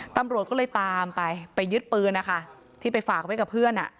ตำรวจก็เลยตามไปไปยึดปืนนะคะที่ไปฝากไว้กับเพื่อน